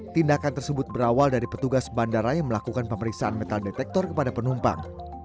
tindakan tersebut berawal dari petugas bandara yang melakukan pemeriksaan metal detektor kepada penumpang